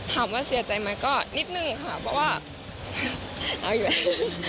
ถามว่าเสียใจไหมก็นิดนึงค่ะเพราะว่าเอาอยู่แล้ว